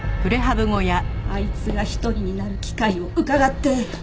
あいつが一人になる機会をうかがって。